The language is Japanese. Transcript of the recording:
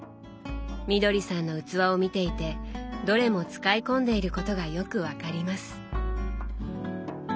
みどりさんの器を見ていてどれも使い込んでいることがよく分かります。